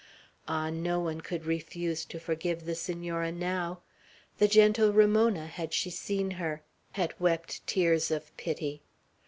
Ah, no one could refuse to forgive the Senora now! The gentle Ramona, had she seen her, had wept tears of pity.